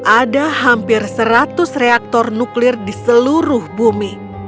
ada hampir seratus reaktor nuklir di seluruh bumi